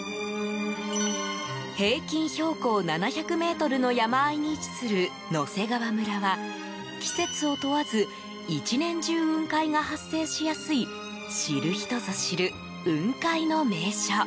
平均標高７００ｍの山あいに位置する野迫川村は季節を問わず１年中、雲海が発生しやすい知る人ぞ知る雲海の名所。